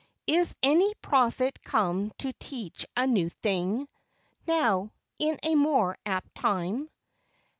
Is any prophet come to teach a new thing Now in a more apt time?